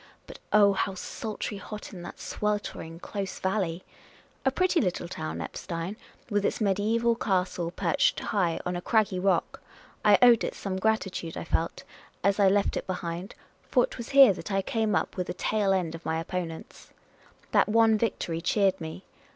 But, oh, how sultry hot in that sweltering, close valley ! A pretty little town, Eppstein, with its mediaeval castle perched high on a craggy rock. I owed it some gratitude, I felt, as I left it behind, for 't was here that I came up with the tail end of my opponents. That one victory cheered me.